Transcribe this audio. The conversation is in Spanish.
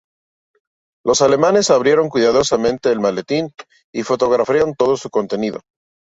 Los alemanes abrieron cuidadosamente el maletín y fotografiaron todo su contenido.